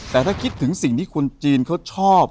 แต่ถ้าคิดถึงสิ่งที่คนจีนเขาชอบ